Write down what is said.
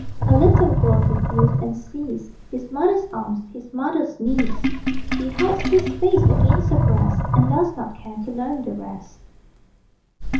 A little world he feels and sees: His mother's arms, his mother's knees; He hides his face against her breast, And does not care to learn the rest.